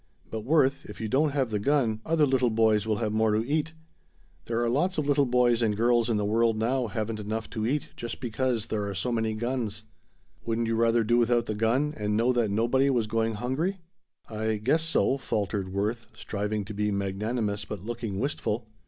But, Worth, if you don't have the gun, other little boys will have more to eat. There are lots of little boys and girls in the world now haven't enough to eat just because there are so many guns. Wouldn't you rather do without the gun and know that nobody was going hungry?" "I guess so," faltered Worth, striving to be magnanimous but looking wistful.